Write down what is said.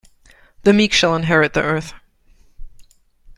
The meek shall inherit the earth.